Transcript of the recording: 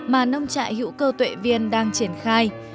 mà nông trại hữu cơ tuệ viên đang triển khai